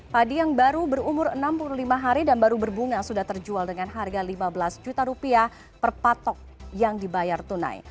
padi yang baru berumur enam puluh lima hari dan baru berbunga sudah terjual dengan harga lima belas juta rupiah per patok yang dibayar tunai